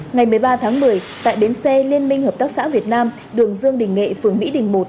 ngày một mươi ba tháng một mươi tại bến xe liên minh hợp tác xã việt nam đường dương đình nghệ phường mỹ đình một